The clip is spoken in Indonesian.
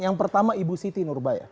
yang pertama ibu siti nurbaya